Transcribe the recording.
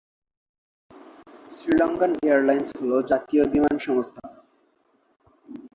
Sri Lankan airlines হল জাতীয় বিমান সংস্থা।